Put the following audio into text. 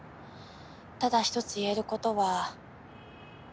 ただ一つ言えることは。